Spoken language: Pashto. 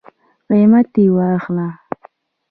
قیمت یی ووایه